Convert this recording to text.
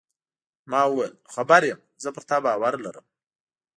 ما وویل: خبر یم، زه پر تا باور لرم.